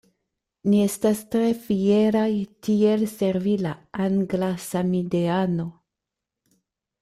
Ni estas tre fieraj tiel servi al angla samideano.